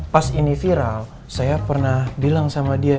pas ini viral saya pernah bilang sama dia